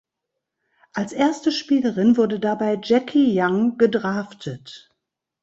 Als erste Spielerin wurde dabei Jackie Young gedraftet.